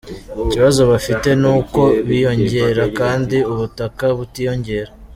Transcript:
Ikibazo bafite ni uko biyongera kandi ubutaka butiyongera.